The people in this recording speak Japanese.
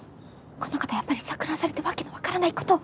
この方やっぱり錯乱されて訳のわからない事を。